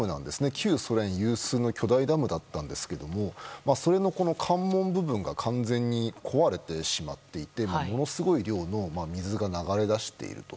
旧ソ連有数の巨大ダムだったんですがそれの関門部分が完全に壊れてしまっていてものすごい量の水が流れ出していると。